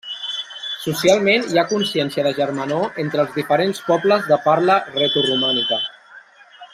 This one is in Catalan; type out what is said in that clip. Socialment hi ha consciència de germanor entre els diferents pobles de parla retoromànica.